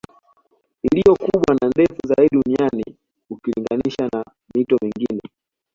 Iliyo kubwa na ndefu zaidi duniani ukilinganisha na mito mingine